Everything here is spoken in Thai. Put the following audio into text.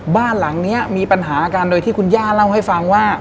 บ้านหลังนี้มีปัญหากันโดยที่คุณย่าเล่าให้ฟังว่า